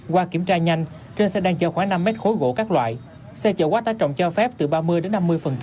qua kiểm tra nhanh trên xe đang chở khoảng năm mét khối gỗ các loại xe chở quá tải trọng cho phép từ ba mươi đến năm mươi